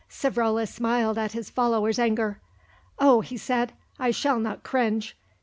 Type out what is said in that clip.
Savrola smiled at his follower's anger. "Oh," he said, "I shall not cringe.